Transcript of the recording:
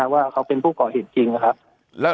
ว่าเขาเป็นผู้ก่อเหตุจริงนะครับ